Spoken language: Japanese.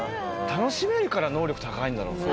楽しめるから能力高いんだろうな。